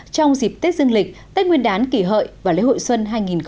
trong dịp tết dương lịch tết nguyên đán kỷ hợi và lễ hội xuân hai nghìn một mươi chín